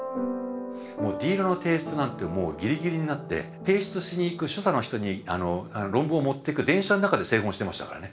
Ｄ論の提出なんてもうぎりぎりになって提出しに行く主査の人に論文を持ってく電車の中で製本してましたからね。